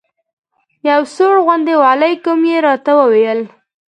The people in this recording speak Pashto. یو سوړ غوندې وعلیکم یې راته وویل.